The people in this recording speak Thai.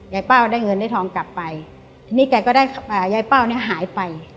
เป้าได้เงินได้ทองกลับไปทีนี้แกก็ได้ยายเป้าเนี้ยหายไป